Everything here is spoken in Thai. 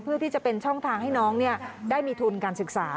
เพื่อที่จะเป็นช่องทางให้น้องได้มีทุนการศึกษา